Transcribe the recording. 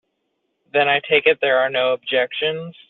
Then I take it there are no objections.